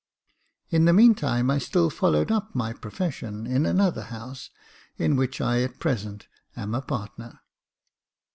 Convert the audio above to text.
" In the meantime I still followed up my profession in another house, in which I at present am a partner.